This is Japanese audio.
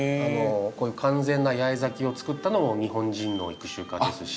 こういう完全な八重咲きを作ったのも日本人の育種家ですし。